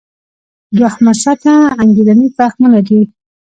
دوهمه سطح انګېرنې فهمونه دي.